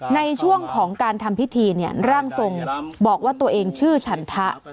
ในช่วงของการทำพิธีร่างทรงบอกว่าตัวเองชื่อฉันทะ